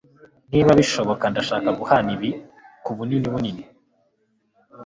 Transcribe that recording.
Niba bishoboka ndashaka guhana ibi kubunini bunini